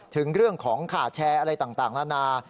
ถึงเรื่องของขาดแชร์อะไรต่างนานา